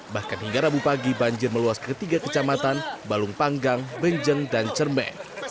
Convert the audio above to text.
bahkan hingga rabu pagi banjir meluas ketiga kecamatan balung panggang banjang dan cermbe